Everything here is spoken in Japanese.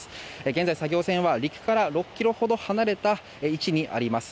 現在、作業船は陸から６ｋｍほど離れた位置にあります。